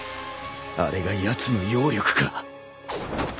あれがやつの妖力か！？